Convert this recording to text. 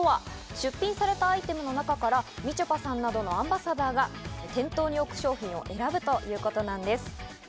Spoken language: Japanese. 出品されたアイテムの中からみちょぱさんなどアンバサダーが店頭に置く商品を選ぶということなんです。